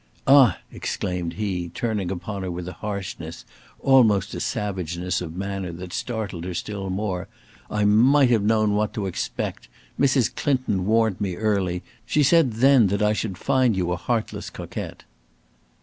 "Ah!" exclaimed he, turning upon her with a harshness, almost a savageness, of manner that startled her still more; "I might have known what to expect! Mrs. Clinton warned me early. She said then that I should find you a heartless coquette!"